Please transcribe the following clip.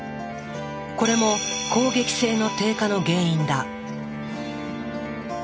これも攻撃性の低下の原因だ。